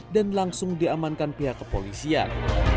dan langsung diamankan pihak kepolisian